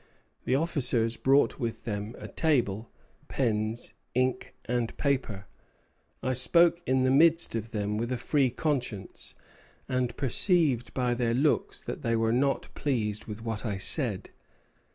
The officers brought with them a table, pens, ink, and paper. I spoke in the midst of them with a free conscience, and perceived by their looks that they were not pleased with what I said."